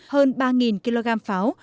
hơn ba kg pháo